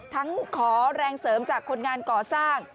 ขอแรงเสริมจากคนงานก่อสร้าง